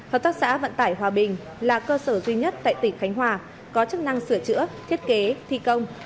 hợp tác xã vận tải hòa bình là cơ sở duy nhất tại tỉnh khánh hòa có chức năng sửa chữa thiết kế thi công